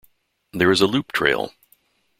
There is a loop trail.